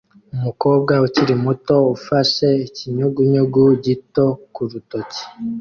Umukobwa ukiri muto ufashe ikinyugunyugu gito ku rutoki